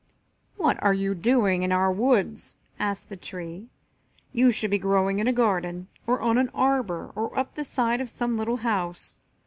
"What are you doing in our woods?" asked the tree. "You should be growing in a garden, on an arbor or up the side of some little house.